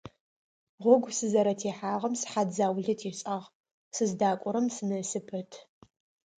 Гъогу сызэрытехьагъэм сыхьат заулэ тешӀагъ, сыздакӀорэм сынэсы пэт.